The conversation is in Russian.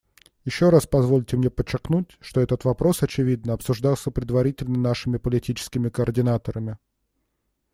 Еще раз позвольте мне подчеркнуть, что этот вопрос, очевидно, обсуждался предварительно нашими политическими координаторами.